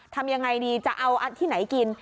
ทำยังไงดีจะเอาที่ไหนกิน